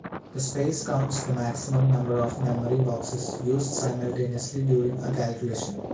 The space counts the maximum number of memory boxes used simultaneously during a calculation.